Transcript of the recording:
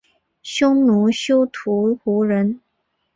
匈奴休屠胡人。